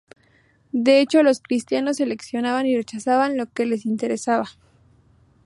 De hecho los cristianos seleccionaban y rechazaban lo que les interesaba.